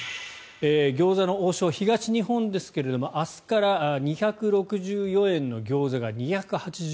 餃子の王将、東日本ですが明日から２６４円のギョーザが２８６円。